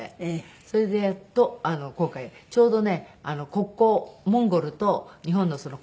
それでやっと今回ちょうどね国交モンゴルと日本の国交５０周年。